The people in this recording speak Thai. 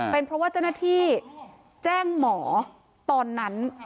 เป็นเพราะว่าเจ้าหน้าที่แจ้งหมอตอนนั้น